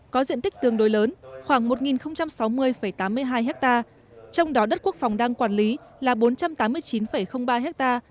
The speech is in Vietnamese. có diện tích tương đối lớn khoảng một sáu mươi tám mươi hai ha trong đó đất quốc phòng đang quản lý là bốn trăm tám mươi chín ba ha